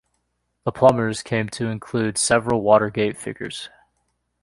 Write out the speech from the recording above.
The Plumbers came to include several Watergate figures.